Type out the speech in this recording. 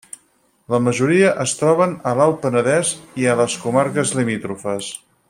La majoria es troben a l'Alt Penedès i les comarques limítrofes.